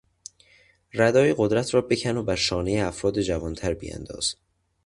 ردای قدرت را بکن و بر شانهی افراد جوانتر بیانداز.